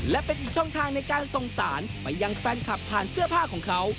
และเป็นอีกช่องทางในการส่งสารไปยังแฟนคลับผ่านเสื้อผ้าของเขา